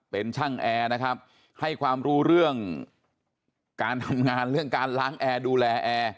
เป็นช่างแอร์นะครับให้ความรู้เรื่องการทำงานเรื่องการล้างแอร์ดูแลแอร์